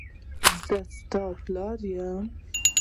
زه ستا پلار یم.